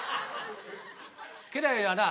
家来はな